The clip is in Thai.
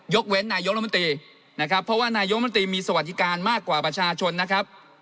เว้นนายกรัฐมนตรีนะครับเพราะว่านายกมนตรีมีสวัสดิการมากกว่าประชาชนนะครับ